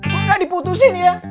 gua ga diputusin ya